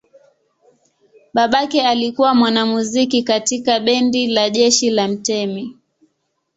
Babake alikuwa mwanamuziki katika bendi la jeshi la mtemi.